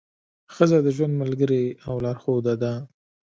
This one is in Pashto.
ښځه د ژوند ملګرې او لارښوده ده.